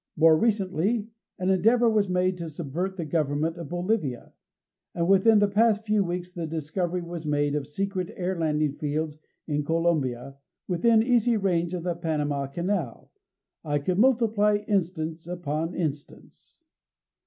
More recently, an endeavor was made to subvert the government of Bolivia. And within the past few weeks the discovery was made of secret air landing fields in Colombia, within easy range of the Panama Canal. I could multiply instance upon instance.